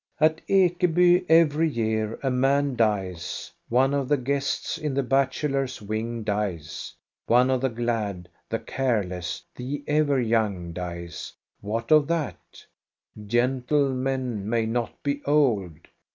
At Ekeby every year, a man dies, one of the guests in the bachelors' wing dies, one of the glad, the care less, the ever young dies. What of that ?— gentle men may not be old